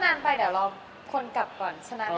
เดี๋ยวเราค้นกลับก่อน